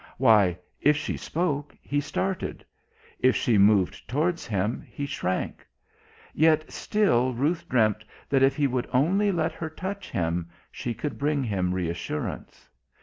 Why, if she spoke, he started; if she moved towards him, he shrank. Yet still Ruth dreamt that if he would only let her touch him, she could bring him reassurance.